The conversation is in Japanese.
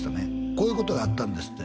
こういうことがあったんですって